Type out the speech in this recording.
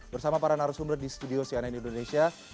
bersama para narasumber di studio cnn indonesia